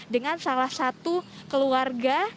dengan salah satu keluarga